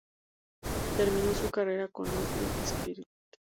Terminó su carrera con Northern Spirit.